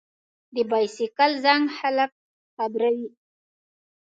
د بایسکل زنګ خلک خبروي.